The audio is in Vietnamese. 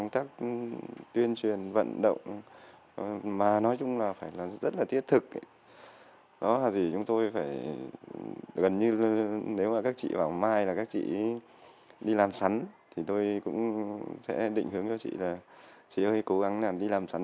các chị bảo mai là các chị đi làm sẵn thì tôi cũng sẽ định hướng cho chị là chị ơi cố gắng đi làm sẵn